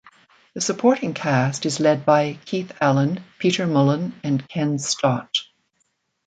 The supporting cast is led by Keith Allen, Peter Mullan and Ken Stott.